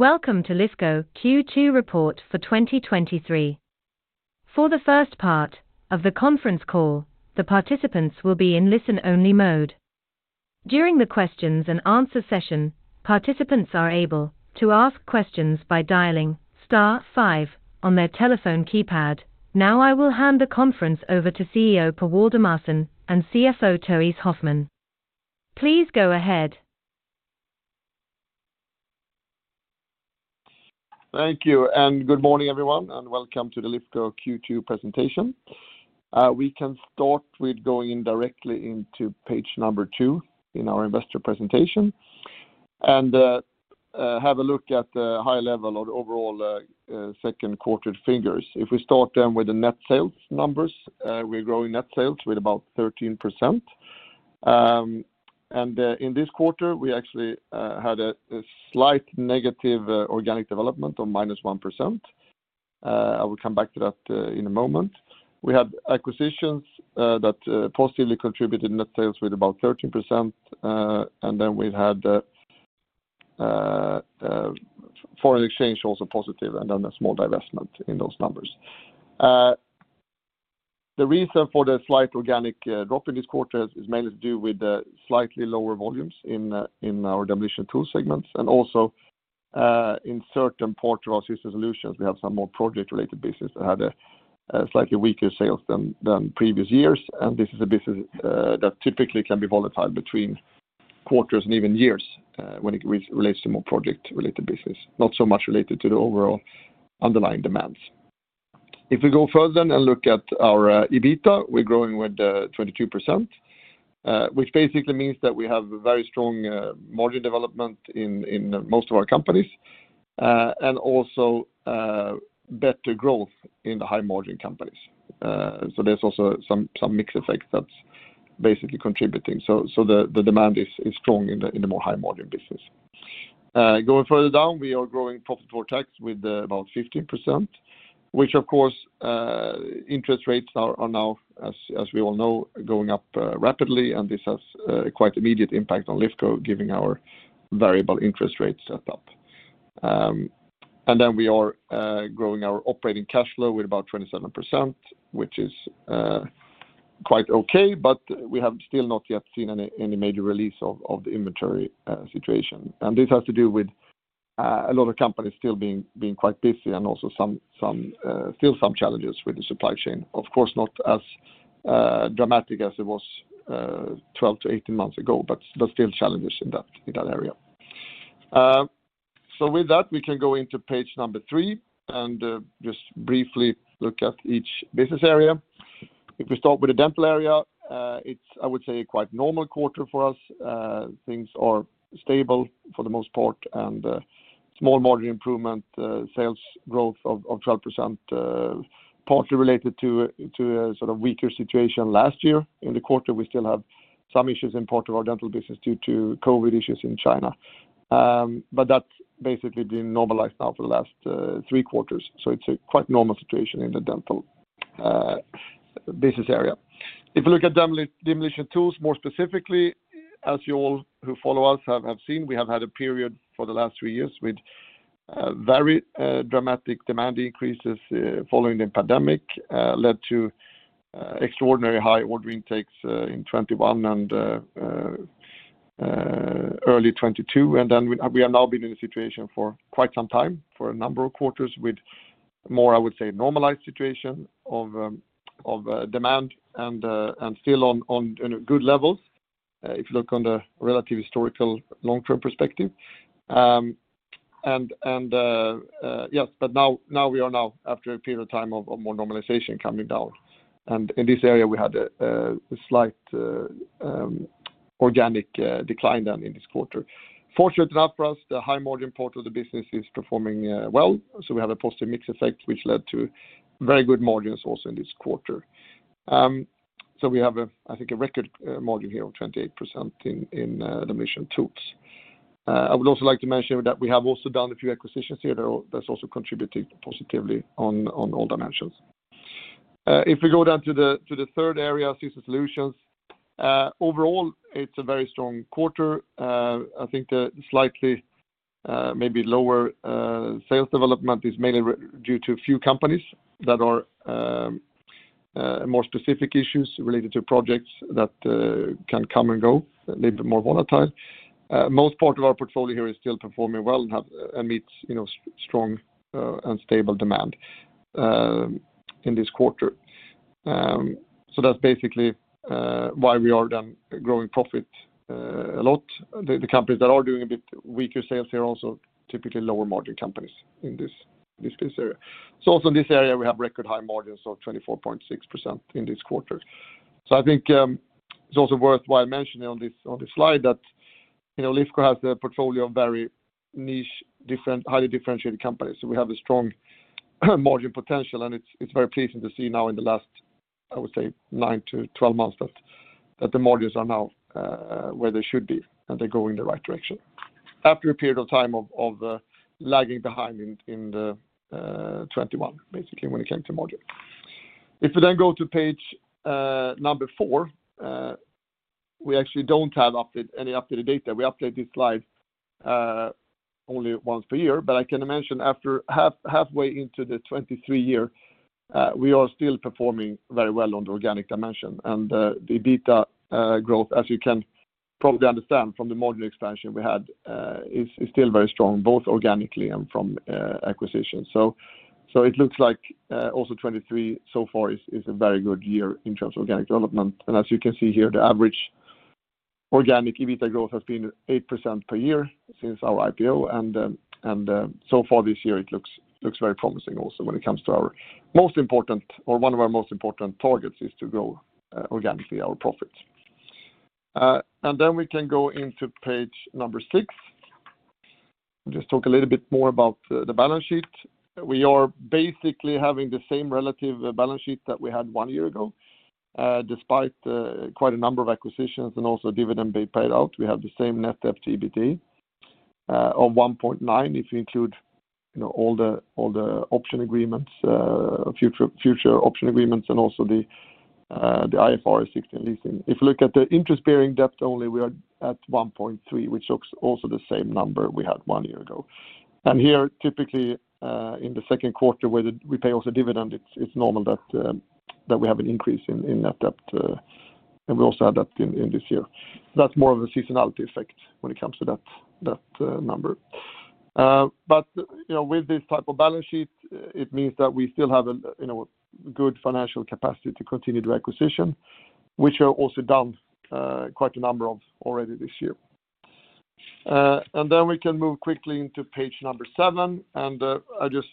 Welcome to Lifco Q2 report for 2023. For the first part of the conference call, the participants will be in listen-only mode. During the questions and answer session, participants are able to ask questions by dialing star five on their telephone keypad. I will hand the conference over to CEO Per Waldemarson and CFO Therése Hoffman. Please go ahead. Thank you, good morning, everyone, and welcome to the Lifco Q2 presentation. We can start with going in directly into page two in our investor presentation, and have a look at the high level of overall second quarter figures. If we start with the net sales numbers, we're growing net sales with about 13%. In this quarter, we actually had a slight negative organic development of -1%. I will come back to that in a moment. We had acquisitions that positively contributed net sales with about 13%, and then we had foreign exchange, also positive, and then a small divestment in those numbers. The reason for the slight organic drop in this quarter is mainly to do with the slightly lower volumes in our Demolition & Tools segments, and also in certain parts of our Systems Solutions, we have some more project-related business that had a slightly weaker sales than previous years, and this is a business that typically can be volatile between quarters and even years when it relates to more project-related business, not so much related to the overall underlying demands. If we go further and look at our EBITDA, we're growing with 22%, which basically means that we have a very strong margin development in most of our companies, and also better growth in the high-margin companies. So there's also some mix effect that's basically contributing. The demand is strong in the more high-margin business. Going further down, we are growing profit for tax with about 15%, which, of course, interest rates are now, as we all know, going up rapidly, and this has quite immediate impact on Lifco, giving our variable interest rates up. Then we are growing our operating cash flow with about 27%, which is quite okay, but we have still not yet seen any major release of the inventory situation. This has to do with a lot of companies still being quite busy and also some still some challenges with the supply chain. Of course, not as dramatic as it was 12-18 months ago, but there's still challenges in that, in that area. With that, we can go into page three and just briefly look at each business area. If we start with the Dental, it's, I would say, a quite normal quarter for us. Things are stable for the most part and small margin improvement, sales growth of 12%, partly related to a sort of weaker situation last year. In the quarter, we still have some issues in part of our Dental business due to COVID issues in China. That's basically been normalized now for the last three quarters, so it's a quite normal situation in the Dental business area. If you look at Demolition Tools, more specifically, as you all who follow us have seen, we have had a period for the last three years with very dramatic demand increases following the pandemic, led to extraordinary high order intakes in 2021 and early 2022. Then we have now been in a situation for quite some time, for a number of quarters, with more, I would say, normalized situation of demand and still on good levels if you look on the relative historical long-term perspective. Yes, but now we are now, after a period of time of more normalization coming down, and in this area, we had a slight organic decline than in this quarter. Fortunately enough for us, the high-margin part of the business is performing well, so we have a positive mix effect, which led to very good margins also in this quarter. So we have, I think, a record margin here of 28% in Demolition & Tools. I would also like to mention that we have also done a few acquisitions here that also contributed positively on all dimensions. If we go down to the third area, Systems Solutions, overall, it's a very strong quarter. I think the slightly maybe lower sales development is mainly due to a few companies that are more specific issues related to projects that can come and go, a little bit more volatile. Most part of our portfolio here is still performing well and meets, you know, strong and stable demand in this quarter. That's basically why we are then growing profit a lot. The companies that are doing a bit weaker sales here are also typically lower-margin companies in this case area. Also in this area, we have record high margins of 24.6% in this quarter. I think it's also worthwhile mentioning on this slide that, you know, Lifco has a portfolio of very niche, different, highly differentiated companies. We have a strong margin potential, and it's very pleasing to see now in the last, I would say, 9-12 months, that the margins are now where they should be, and they're going in the right direction. After a period of time of lagging behind in the 2021, basically, when it came to margin. If we then go to page four, we actually don't have updated data. We update this slide only once per year, but I can mention after halfway into the 2023 year, we are still performing very well on the organic dimension. The EBITDA growth, as you can probably understand from the module expansion we had, is still very strong, both organically and from acquisition. It looks like also 2023 so far is a very good year in terms of organic development. As you can see here, the average organic EBITDA growth has been 8% per year since our IPO, and so far this year, it looks very promising also when it comes to our most important or one of our most important targets is to grow organically our profit. Then we can go into page number six. Just talk a little bit more about the balance sheet. We are basically having the same relative balance sheet that we had one year ago, despite quite a number of acquisitions and also dividend being paid out, we have the same net debt, EBITDA, of 1.9. If you include, you know, all the option agreements, future option agreements, and also the IFRS 16 leasing. If you look at the interest-bearing debt only, we are at 1.3, which looks also the same number we had one year ago. Here, typically, in the second quarter, where we pay also dividend, it's normal that we have an increase in net debt, and we also have that in this year. That's more of a seasonality effect when it comes to that number. You know, with this type of balance sheet, it means that we still have a, you know, good financial capacity to continue the acquisition, which are also done quite a number of already this year. Then we can move quickly into page number seven, I just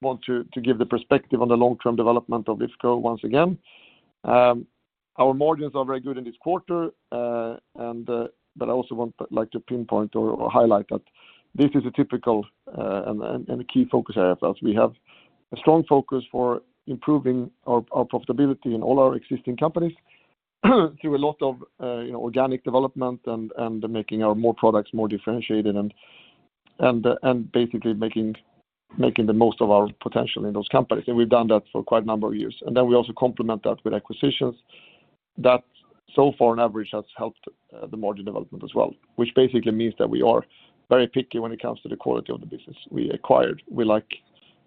want to give the perspective on the long-term development of Lifco once again. Our margins are very good in this quarter. I also want like to pinpoint or highlight that this is a typical key focus area for us. We have a strong focus for improving our profitability in all our existing companies, through a lot of, you know, organic development and making our more products more differentiated and basically making the most of our potential in those companies. We've done that for quite a number of years. We also complement that with acquisitions. That so far, on average, has helped the margin development as well, which basically means that we are very picky when it comes to the quality of the business we acquired. We like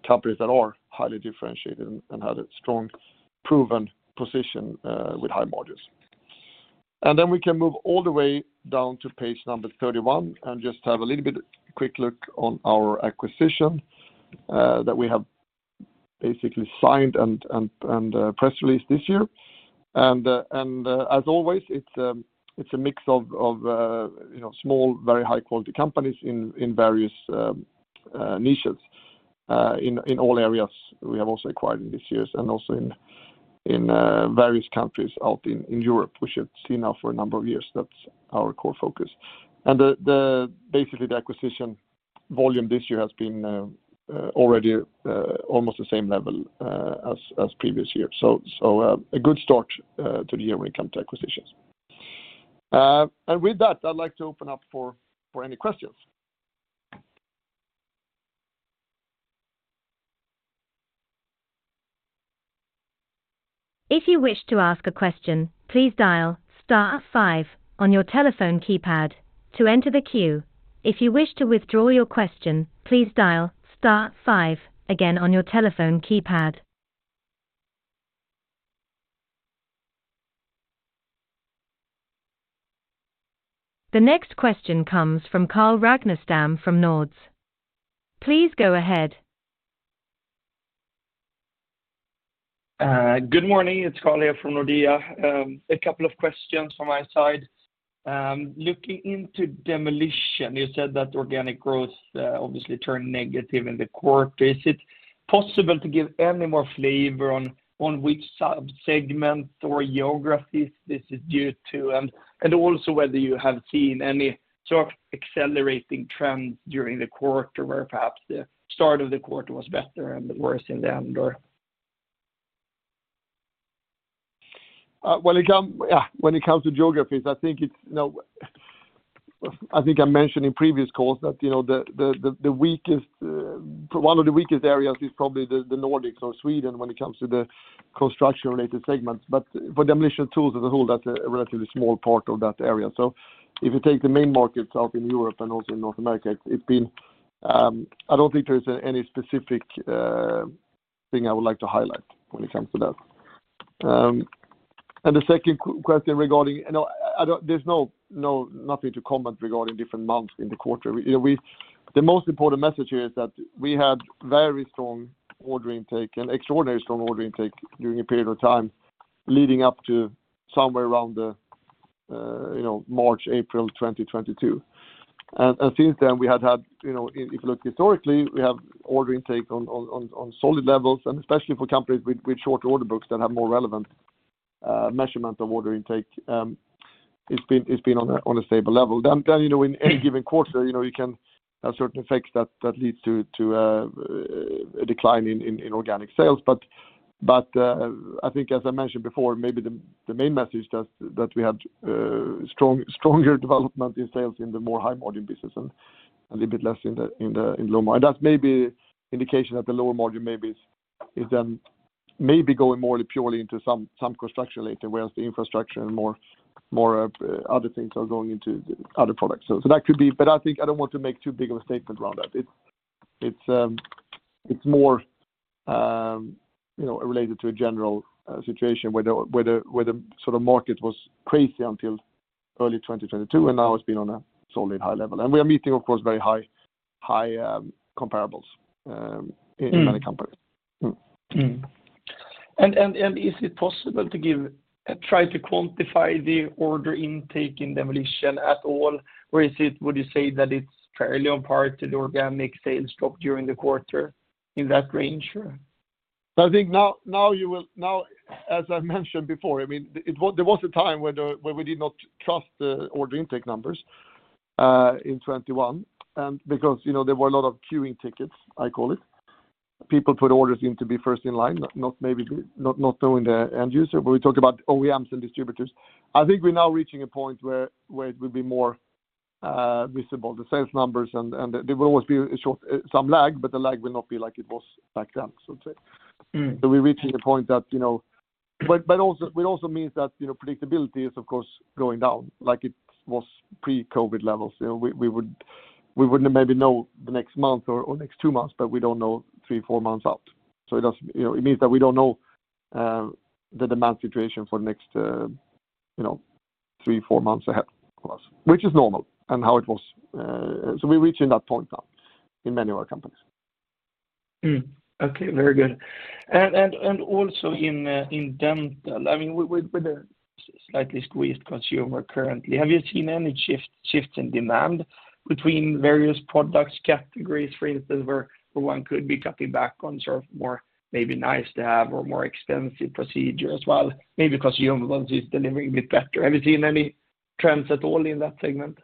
companies that are highly differentiated and have a strong, proven position, with high margins. We can move all the way down to page number 31 and just have a little bit quick look on our acquisition that we have basically signed and press released this year. As always, it's a mix of, you know, small, very high-quality companies in various niches, in all areas we have also acquired in this years and also in various countries out in Europe, which you've seen now for a number of years. That's our core focus. The basically, the acquisition volume this year has been already almost the same level as previous years. A good start to the year when it comes to acquisitions. With that, I'd like to open up for any questions. If you wish to ask a question, please dial star five on your telephone keypad to enter the queue. If you wish to withdraw your question, please dial star five again on your telephone keypad. The next question comes from Carl Ragnerstam from Nordea. Please go ahead. Good morning. It's Carl here from Nordea. A couple of questions from my side. Looking into demolition, you said that organic growth obviously turned negative in the quarter. Is it possible to give any more flavor on which sub-segments or geographies this is due to? Also whether you have seen any sort of accelerating trends during the quarter, where perhaps the start of the quarter was better and the worse in the end, or? When it comes to geographies, I think it's, you know, I think I mentioned in previous calls that, you know, the weakest one of the weakest areas is probably the Nordics or Sweden when it comes to the construction-related segments. For Demolition & Tools as a whole, that's a relatively small part of that area. If you take the main markets out in Europe and also in North America, it's been, I don't think there's any specific thing I would like to highlight when it comes to that. The second question regarding, you know, I don't there's nothing to comment regarding different months in the quarter. You know, the most important message here is that we had very strong order intake and extraordinary strong order intake during a period of time leading up to somewhere around the, you know, March, April 2022. Since then, we had, you know, if you look historically, we have order intake on solid levels, and especially for companies with shorter order books that have more relevant measurement of order intake, it's been on a stable level. Then, you know, in any given quarter, you know, you can have certain effects that leads to a decline in organic sales. I think as I mentioned before, maybe the main message that we had stronger development in sales in the more high margin business and a little bit less in the low margin. That's maybe indication that the lower margin maybe is then maybe going more purely into some construction later, whereas the infrastructure and more of other things are going into other products. I think I don't want to make too big of a statement around that. It's more, you know, related to a general situation where the sort of market was crazy until early 2022, and now it's been on a solid high level. We are meeting, of course, very high comparables in many companies. Is it possible to give, try to quantify the order intake in Demolition at all? Or is it, would you say that it's fairly on par to the organic sales drop during the quarter in that range? I think now, you will. Now, as I mentioned before, I mean, there was a time when we did not trust the order intake numbers in 21 because, you know, there were a lot of queuing tickets, I call it. People put orders in to be first in line, not maybe, not knowing the end user. We talked about OEMs and distributors. I think we're now reaching a point where it will be more visible, the sales numbers, and there will always be some lag, but the lag will not be like it was back then, so to say. Mm. We're reaching a point that, you know. It also means that, you know, predictability is, of course, going down like it was pre-COVID levels. You know, we wouldn't maybe know the next month or next two months, but we don't know three, four months out. It means that we don't know the demand situation for the next, you know, three, four months ahead of us, which is normal and how it was. We're reaching that point now in many of our companies. Okay, very good. Also in Dental, I mean, with a slightly squeezed consumer currently, have you seen any shifts in demand between various products categories, for instance, where one could be cutting back on sort of more maybe nice to have or more extensive procedure as well? Maybe because human body is delivering a bit better. Have you seen any trends at all in that segment?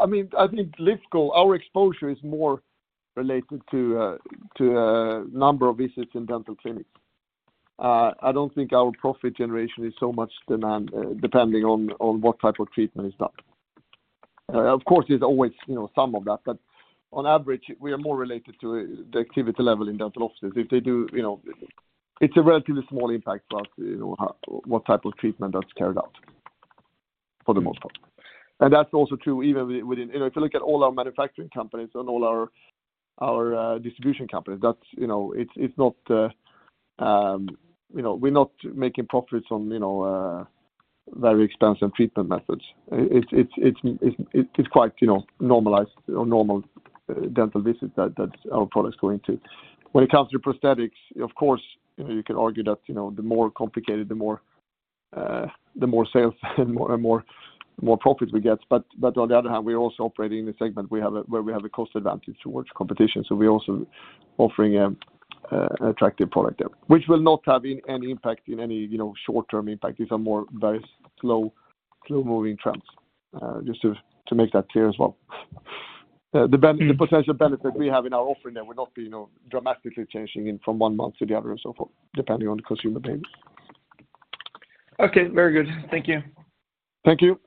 I mean, I think Lifco, our exposure is more related to number of visits in Dental clinics. I don't think our profit generation is so much demand depending on what type of treatment is done. Of course, there's always, you know, some of that, but on average, we are more related to the activity level in Dental offices. If they do, you know, it's a relatively small impact to us, you know, how, what type of treatment that's carried out, for the most part. That's also true even within. You know, if you look at all our manufacturing companies and all our distribution companies, that's, you know, it's not, you know, we're not making profits on, you know, very expensive treatment methods. It's quite, you know, normalized or normal dental visit that our products go into. When it comes to prosthetics, of course, you know, you can argue that, you know, the more complicated, the more sales and more profits we get. On the other hand, we are also operating in a segment where we have a cost advantage towards competition. We're also offering an attractive product there, which will not have any impact in any, you know, short-term impact. These are more very slow-moving trends, just to make that clear as well. The potential benefit we have in our offering there will not be, you know, dramatically changing in from one month to the other and so forth, depending on consumer behaviors. Okay, very good. Thank you. Thank you.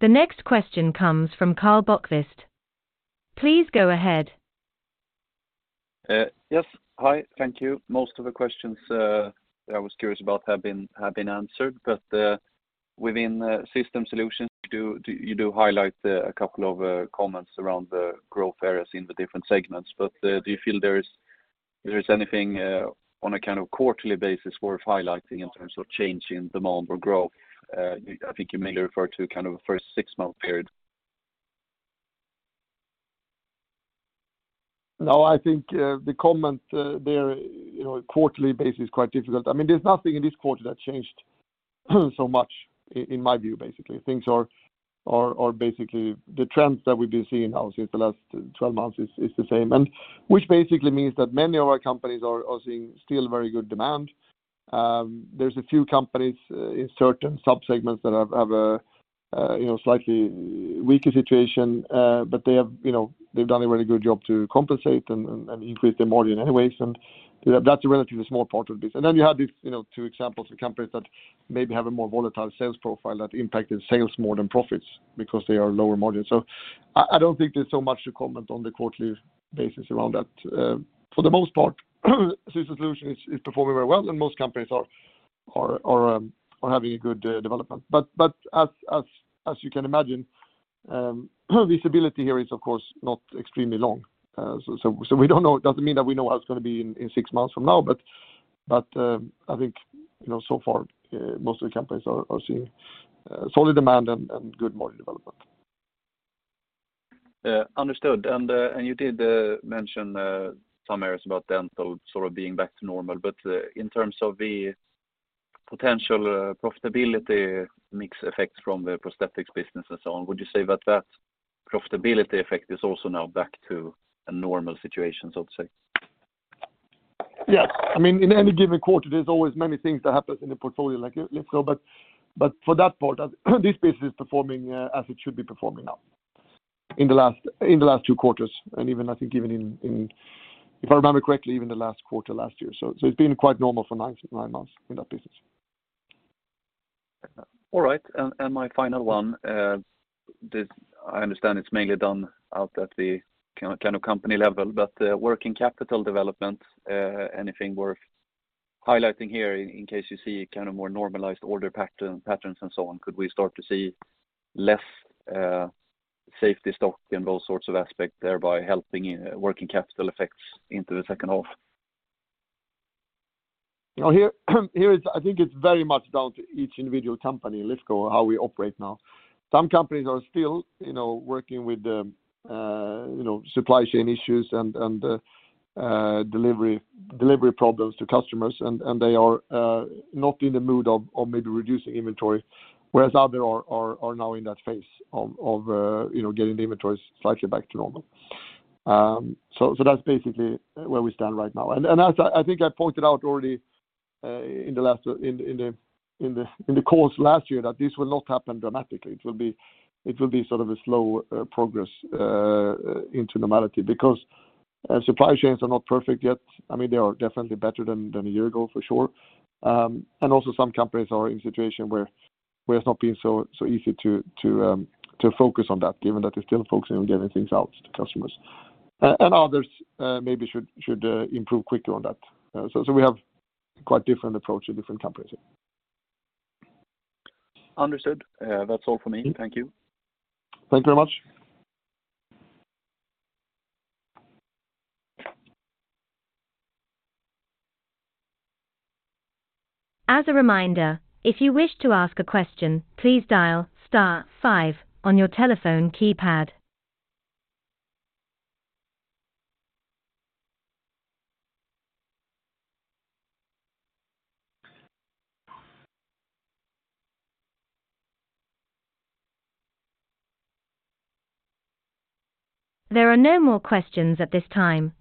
The next question comes from Karl Bokvist. Please go ahead. Yes. Hi, thank you. Most of the questions that I was curious about have been answered. Within System Solutions, you do highlight a couple of comments around the growth areas in the different segments. Do you feel there is anything on a kind of quarterly basis worth highlighting in terms of change in demand or growth? I think you mainly refer to kind of a first six-month period. No, I think the comment there, you know, quarterly basis is quite difficult. I mean, there's nothing in this quarter that changed so much in my view, basically. Things are basically the trends that we've been seeing now since the last 12 months is the same. Which basically means that many of our companies are seeing still very good demand. There's a few companies in certain subsegments that have a, you know, slightly weaker situation, but they have, you know, they've done a really good job to compensate and increase their margin anyways. That's a relatively small part of this. Then you have these, you know, two examples of companies that maybe have a more volatile sales profile that impacted sales more than profits because they are lower margin. I don't think there's so much to comment on the quarterly basis around that. For the most part, Systems Solutions is performing very well, and most companies are having a good development. As you can imagine, visibility here is, of course, not extremely long. We don't know. It doesn't mean that we know how it's going to be in six months from now, I think, you know, so far, most of the companies are seeing solid demand and good margin development. Understood. You did mention some areas about Dental sort of being back to normal. In terms of the potential profitability, mix effects from the prosthetics business and so on, would you say that that profitability effect is also now back to a normal situation, so to say? Yes. I mean, in any given quarter, there's always many things that happen in the portfolio like Lifco, but for that part, this business is performing as it should be performing now. in the last two quarters, and even, I think, even in, if I remember correctly, even the last quarter last year. It's been quite normal for nine months in that business. All right. And my final one, this I understand it's mainly done out at the kind of company level, but working capital development, anything worth highlighting here in case you see a kind of more normalized order patterns and so on? Could we start to see less safety stock in those sorts of aspects, thereby helping in working capital effects into the second half? Well, here is I think it's very much down to each individual company in Lifco, how we operate now. Some companies are still, you know, working with the, you know, supply chain issues and, delivery problems to customers, and they are not in the mood of maybe reducing inventory, whereas others are now in that phase of, you know, getting the inventories slightly back to normal. That's basically where we stand right now. As I think I pointed out already in the last, in the course last year, that this will not happen dramatically. It will be sort of a slow progress into normality because supply chains are not perfect yet. I mean, they are definitely better than a year ago, for sure. Also some companies are in a situation where it's not been so easy to focus on that, given that they're still focusing on getting things out to customers. Others maybe should improve quickly on that. We have quite different approach to different companies. Understood. That's all for me. Thank you. Thank you very much. As a reminder, if you wish to ask a question, please dial star five on your telephone keypad. There are no more questions at this time,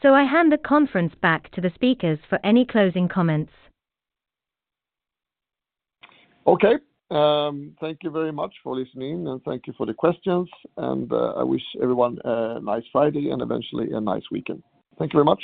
so I hand the conference back to the speakers for any closing comments. Okay. Thank you very much for listening, and thank you for the questions, and, I wish everyone a nice Friday and eventually a nice weekend. Thank you very much.